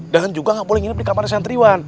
dan juga nggak boleh nginep di kamarnya santriwan